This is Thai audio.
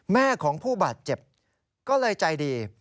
แม่ของผู้บาดเจ็บก็เลยใจดี